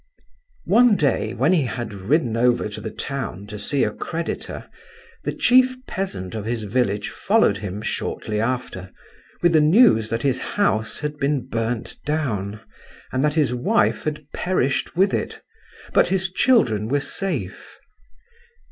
One day, when he had ridden over to the town to see a creditor, the chief peasant of his village followed him shortly after, with the news that his house had been burnt down, and that his wife had perished with it, but his children were safe.